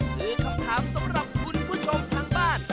คือคำถามสำหรับคุณผู้ชมทางบ้าน